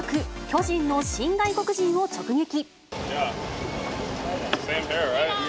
巨人の新外国人を直撃。